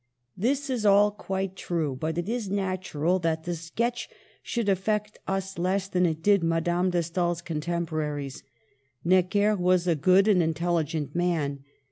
This is all quite true, but it is natural that the sketch should affect us less than it did Madame de Stael's contemporaries. Necker was a good and intelligent man.